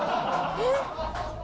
えっ！